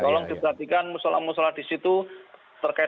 tolong diperhatikan musyola musola di situ terkait